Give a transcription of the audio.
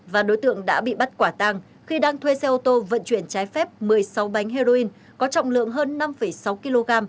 và đối tượng đã bị bắt quả tàng khi đang thuê xe ô tô vận chuyển trái phép một mươi sáu bánh heroin có trọng lượng hơn năm sáu kg